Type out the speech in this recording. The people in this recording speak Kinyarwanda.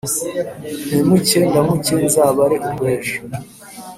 Mpemuke ndamuke nzabare urw' ejo ,